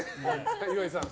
岩井さん。